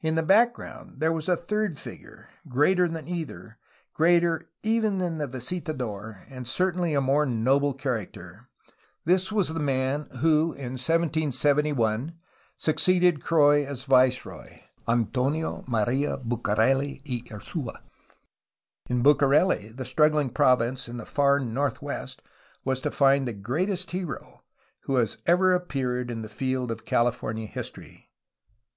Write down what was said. In the background there was a third figure, greater than either, greater even than the visitador — and certainly a more noble character. This was the man who in 1771 succeeded Croix as 242 A HISTORY OF CALIFORNIA viceroy, Antonio Maria Bucareli y Ursiia. In Bucareli the struggling province in the far northwest was to find the greatest hero who has ever appeared in the field of Califor nia history.